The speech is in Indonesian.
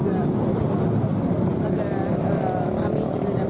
agar kami juga dapat lebih baik lagi